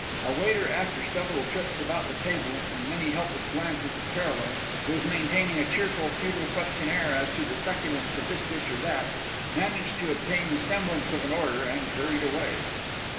A waiter after several trips about the table, and many helpless glances at Caroline, who was maintaining a cheerful, futile questionnaire as to the succulence of this dish or that, managed to obtain the semblance of an order and hurried away....